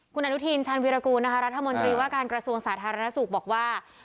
คุณอนุทินชาญวิรากูลนะคะรัฐมนตรีว่าการกระทรวงสาธารณสุขบอกว่า